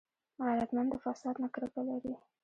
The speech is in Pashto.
غیرتمند د فساد نه کرکه لري